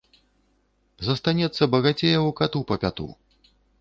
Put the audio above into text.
Застанецца багацеяў кату па пяту.